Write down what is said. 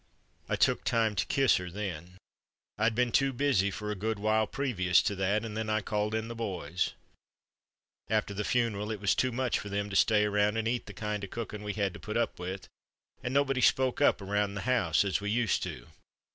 "I took time to kiss her then. I'd been too busy for a good while previous to that, and then I called in the boys. After the funeral it was too much for them to stay around and eat the kind of cookin' we had to put up with, and nobody spoke up around the house as we used to.